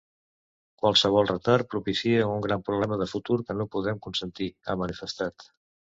“Qualsevol retard propicia un gran problema de futur que no podem consentir”, ha manifestat.